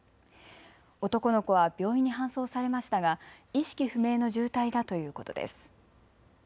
男の子は病院に搬送されましたが意識不明の重体だということです。